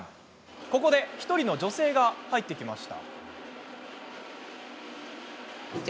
ここで１人の女性が入ってきました。